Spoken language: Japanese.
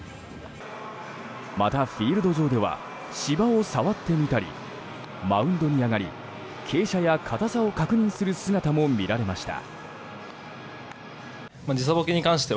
また、フィールド上では芝を触ってみたりマウンドに上がり傾斜や硬さを確認する姿も見られました。